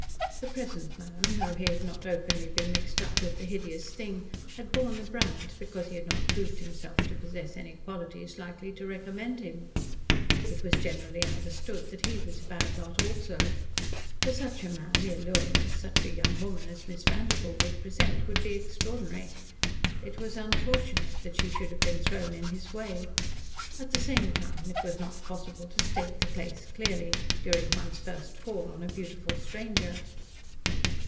The present man, though he had not openly been mixed up with the hideous thing, had borne the brand because he had not proved himself to possess any qualities likely to recommend him. It was generally understood that he was a bad lot also. To such a man the allurements such a young woman as Miss Vanderpoel would present would be extraordinary. It was unfortunate that she should have been thrown in his way. At the same time it was not possible to state the case clearly during one's first call on a beautiful stranger.